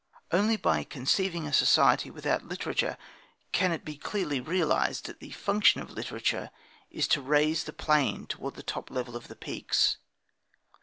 Only by conceiving a society without literature can it be clearly realised that the function of literature is to raise the plain towards the top level of the peaks.